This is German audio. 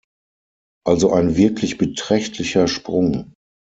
Also ein wirklich beträchtlicher Sprung.